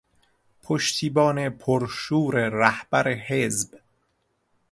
پشتیبان پر شور رهبر حزب